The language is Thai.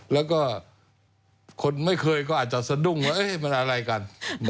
แล้วก็คนไม่เคยก็อาจจะสะดุ้งว่ามันอะไรกัน